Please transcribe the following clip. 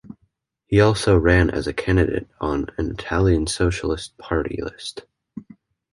He also ran as a candidate on an Italian Socialist Party list.